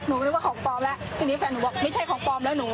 นึกว่าของปลอมแล้วทีนี้แฟนหนูบอกไม่ใช่ของปลอมแล้วหนู